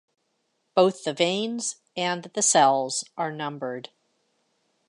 Both the veins and the cells are numbered.